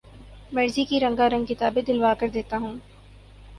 مرضی کی رنگار نگ کتابیں دلوا کر دیتا ہوں